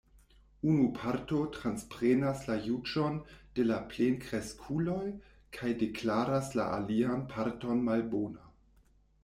Unu parto transprenas la juĝon de la plenkreskuloj kaj deklaras la alian parton malbona.